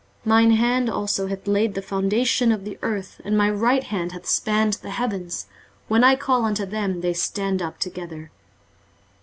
23:048:013 Mine hand also hath laid the foundation of the earth, and my right hand hath spanned the heavens: when I call unto them, they stand up together.